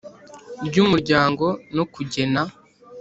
Ry umuryango no kugena